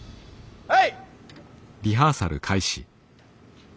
はい。